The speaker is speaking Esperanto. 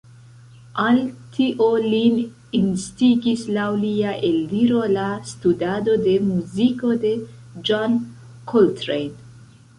Al tio lin instigis laŭ lia eldiro la studado de muziko de John Coltrane.